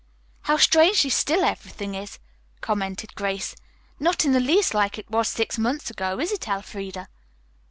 "How strangely still everything is," commented Grace. "Not in the least like it was six months ago, is it, Elfreda?"